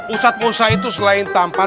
ustadz musa itu selain tampar